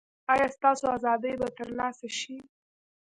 ایا ستاسو ازادي به ترلاسه شي؟